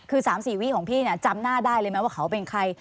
คือ๓๔วี่ของพี่จำหน้าได้เลยไหมว่าเขาเป็นใคร